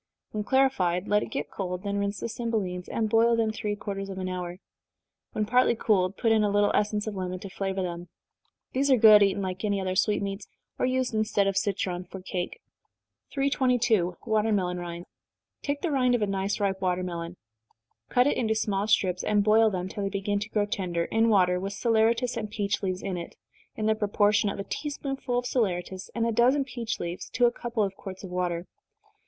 When clarified, let it get cold then rinse the cymbelines, and boil them three quarters of an hour. When partly cooled, put in a little essence of lemon to flavor them. These are good eaten like any other sweetmeats, or used instead of citron for cake. 322. Watermelon Rinds. Take the rind of a nice ripe watermelon cut it into small strips, and boil them, till they begin to grow tender, in water, with saleratus and peach leaves in it, in the proportion of a tea spoonful of saleratus and a dozen peach leaves to a couple of quarts of water.